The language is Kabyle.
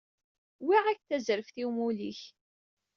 Wwiɣ-ak-d tarzeft i umulli-k.